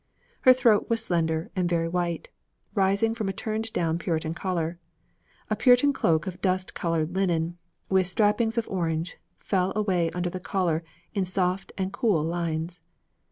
Her throat was slender and very white, rising from a turned down Puritan collar. A Puritan cloak of dust colored linen, with strappings of orange, fell away under the collar in soft and cool lines.